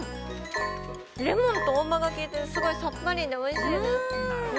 レモンと大葉がきいて、すごいさっぱりでおいしいです。